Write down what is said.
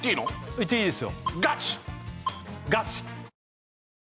いっていいですよ